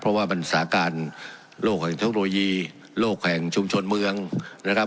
เพราะว่ามันสถาการณ์โลกของเทศโรยีโลกของชุมชนเมืองนะครับ